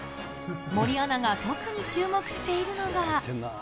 森アナが特に注目しているのが。